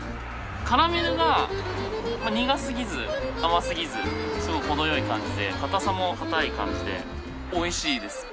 カラメルが苦すぎず甘すぎずすごい程良い感じで硬さも硬い感じでおいしいです。